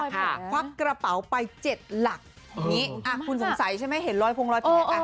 ควักกระเป๋าไป๗หลักคุณสงสัยใช่ไหมเห็นรอยพรุงรอยแผล